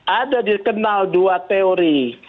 ada dikenal dua teori